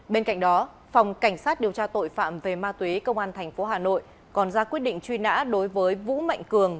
bên cạnh đó phòng cảnh sát điều tra tội phạm về ma túy công an tp hà nội còn ra quyết định truy nã đối với vũ mạnh cường